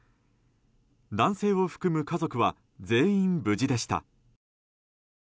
男性を含む家族は全員無事でした。